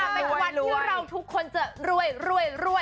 เป็นวันที่เราทุกคนจะรวยรวยรวย